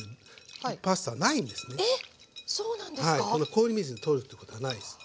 氷水にとるっていうことはないです。